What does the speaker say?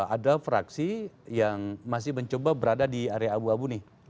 ada fraksi yang masih mencoba berada di area abu abu nih